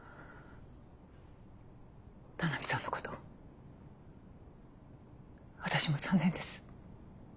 田波さんのこと私も残念です。